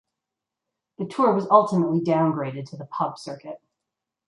The tour was ultimately downgraded to the pub circuit.